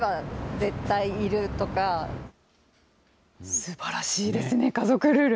すばらしいですね、家族ルール。